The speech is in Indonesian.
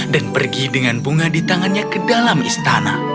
dan pergi dengan bunga di tangannya ke dalam istana